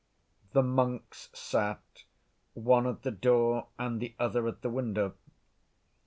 The monks sat, one at the door and the other at the window.